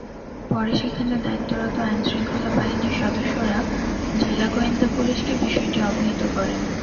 পরে সেখানে দায়িত্বরত আইনশৃঙ্খলা বাহিনীর সদস্যরা জেলা গোয়েন্দা পুলিশকে বিষয়টি অবহিত করেন।